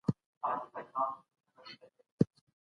د مغولو واکمني په سم ال کي ډېره پراخه وه.